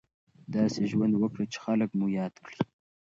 داسې ژوند وکړئ چې خلک مو یاد کړي.